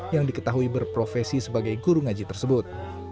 yang diketahui berprofesi sebagai guru ngaji tersebut